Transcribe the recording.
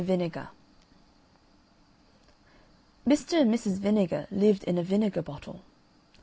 VINEGAR Mr. and Mrs. Vinegar lived in a vinegar bottle.